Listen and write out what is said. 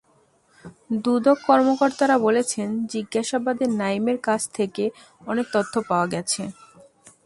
দুদক কর্মকর্তারা বলছেন, জিজ্ঞাসাবাদে নাঈমের কাছ থেকে অনেক তথ্য পাওয়া গেছে।